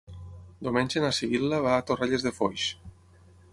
Diumenge na Sibil·la va a Torrelles de Foix.